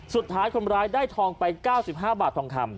สุดท้ายคนร้ายได้ทองไป๙๕บาททองคำ